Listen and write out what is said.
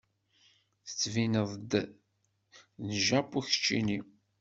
Tettbineḍ-d n Japu kečči.